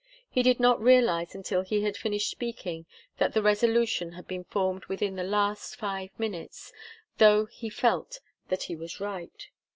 He did not realize until he had finished speaking that the resolution had been formed within the last five minutes, though he felt that he was right.